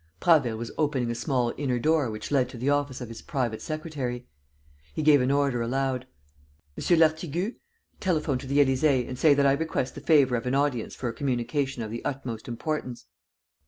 Prasville was opening a small inner door which led to the office of his private secretary. He gave an order aloud: "M. Lartigue, telephone to the Élysée and say that I request the favour of an audience for a communication of the utmost importance."